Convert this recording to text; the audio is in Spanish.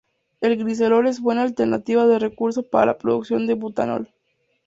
El glicerol es una buena alternativa de recurso para la producción de butanol.